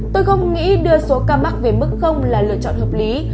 tôi không nghĩ đưa số ca mắc về mức là lựa chọn hợp lý